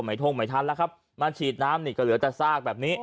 ไหมทงไหมทันล่ะครับมาฉีดน้ำก็เหลือแต่ซากแบบนี้